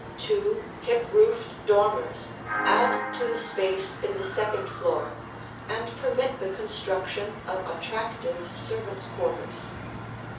Two hip roofed dormers add to the space in the second floor and permit the construction of attractive servants' quarters.